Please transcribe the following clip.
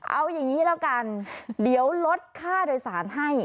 เอาอย่างนี้แล้วกันเดี๋ยวลดค่าโดยสารให้